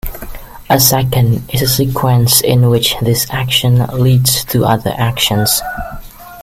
A second is a sequence in which this action leads to other actions.